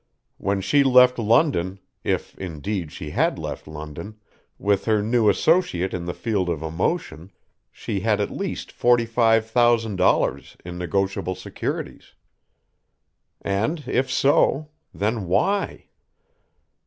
When she left London, if indeed she had left London, with her new associate in the field of emotion she had at least forty five thousand dollars in negotiable securities. And if so then why?